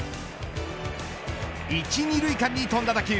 １、２塁間に飛んだ打球